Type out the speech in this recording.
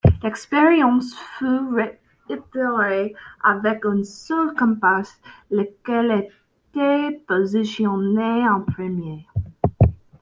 L'expérience fut réitérée avec un seul comparse, lequel était positionné en premier.